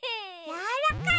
やわらかい！